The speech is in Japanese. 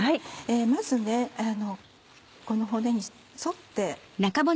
まずこの骨に沿って。